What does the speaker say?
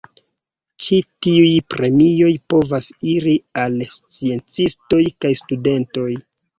Ĉi tiuj premioj povas iri al sciencistoj kaj studentoj.